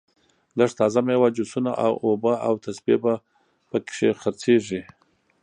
لږه تازه میوه جوسونه اوبه او تسبې په کې خرڅېږي.